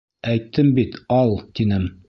— Әйттем бит, ал, тинем.